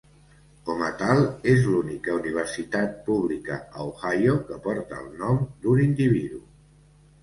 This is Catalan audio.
Com a tal, és l'única universitat pública a Ohio que porta el nom d'un individu.